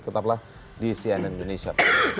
tetaplah di cnn indonesia